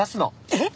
えっ？